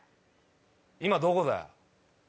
今どこだよ？